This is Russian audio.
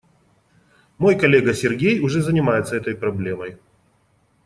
Мой коллега Сергей уже занимается этой проблемой.